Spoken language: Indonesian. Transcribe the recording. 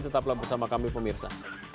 tetaplah bersama kami pemirsa